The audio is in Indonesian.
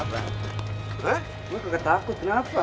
gak takut enggak apa apa